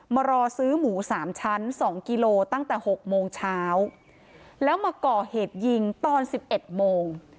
มารอซื้อหมูสามชั้นสองกิโลตั้งแต่๖โมงเช้าแล้วมาก่อเหตุยิงตอน๑๑โมง